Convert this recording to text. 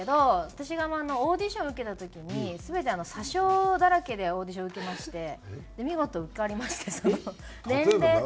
私がオーディションを受けた時に全て詐称だらけでオーディションを受けまして見事受かりましてその年齢。